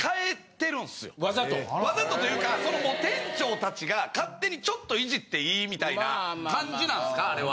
わざと？わざとというかその店長たちが勝手にちょっとイジっていいみたいな感じなんですかあれは？